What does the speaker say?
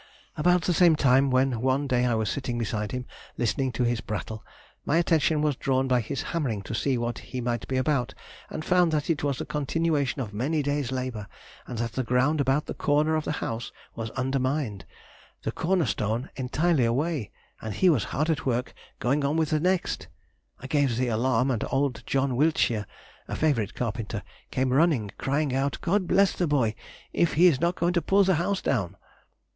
About the same time, when one day I was sitting beside him, listening to his prattle, my attention was drawn by his hammering to see what he might be about, and found that it was the continuation of many days' labour, and that the ground about the corner of the house was undermined, the corner stone entirely away, and he was hard at work going on with the next. I gave the alarm, and old John Wiltshire, a favourite carpenter, came running, crying out, "God bless the boy, if he is not going to pull the house down!"